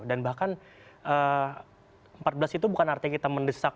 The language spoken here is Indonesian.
dan bahkan empat belas itu bukan artinya kita mendesak